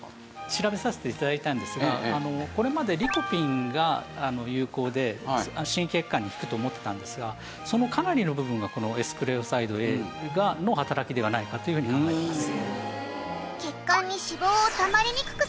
調べさせて頂いたんですがこれまでリコピンが有効で心血管に効くと思っていたんですがそのかなりの部分がこのエスクレオサイドＡの働きではないかというふうに考えています。